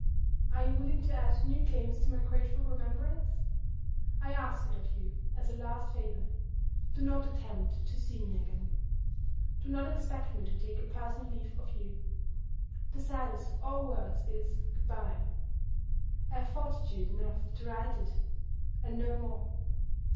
Are you willing to add new claims to my grateful remembrance? I ask it of you, as a last favor do not attempt to see me again! Do not expect me to take a personal leave of you! The saddest of all words is 'Good by': I have fortitude enough to write it, and no more.